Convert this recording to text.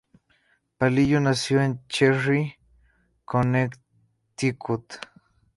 Palillo nació en Cheshire, Connecticut.